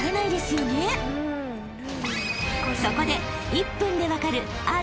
［そこで］